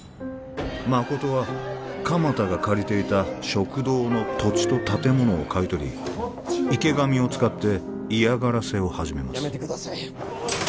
誠は鎌田が借りていた食堂の土地と建物を買い取り池上を使っていやがらせを始めますやめてください